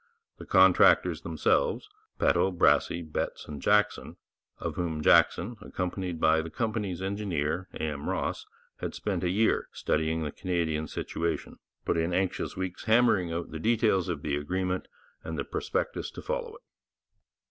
The contractors themselves, Peto, Brassey, Betts and Jackson, of whom Jackson, accompanied by the company's engineer, A. M. Ross, had spent a year studying the Canadian situation, put in anxious weeks hammering out the details of the agreement and the prospectus to follow it.